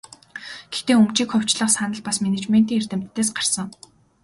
Гэхдээ өмчийг хувьчлах санал бас менежментийн эрдэмтдээс гарсан.